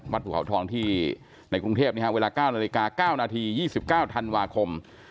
วัดภูเขาทองที่ในกรุงเทพเนี้ยเวลาเก้านาฬิกาเก้านาทียี่สิบเก้าธันวาคม